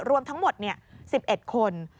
รวมทั้งหมด๑๑คน